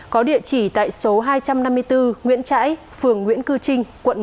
cơ quan an ninh điều tra bộ công an có địa chỉ tại số hai trăm năm mươi bốn nguyễn trãi phường nguyễn cư trinh quận một tp hcm